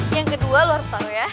yang kedua lo harus tau ya